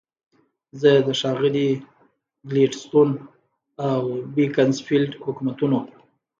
زه د ښاغلي ګلیډستون او بیکنزفیلډ حکومتونو.